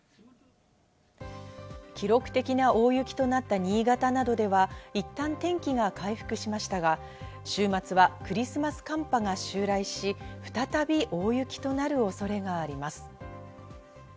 記録的な大雪となった新潟などではいったん天気が回復しましたが、週末はクリスマス寒波が襲来し、再び大雪となる恐れがあります。